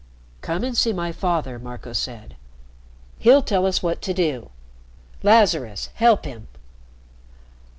"Come and see my father," Marco said. "He'll tell us what do do. Lazarus, help him."